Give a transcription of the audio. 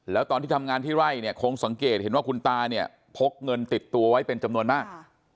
แล้วตอนที่ทำงานที่ไร่เนี่ยคงสังเกตเห็นว่าคุณตาเนี่ยพกเงินติดตัวไว้เป็นจำนวนมาก